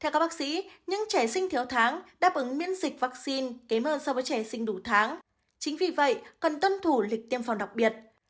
theo các bác sĩ những trẻ sinh thiếu tháng đáp ứng miễn dịch vaccine kém hơn so với trẻ sinh đủ tháng chính vì vậy cần tuân thủ lịch tiêm phòng đặc biệt